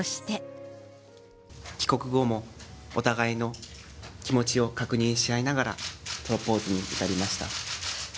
帰国後も、お互いの気持ちを確認し合いながら、プロポーズに至りました。